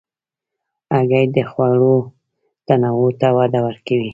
هګۍ د خوړو تنوع ته وده ورکوي.